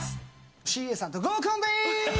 ＣＡさんと合コンでーす！